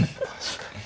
確かに。